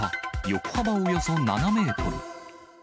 横幅およそ７メートル。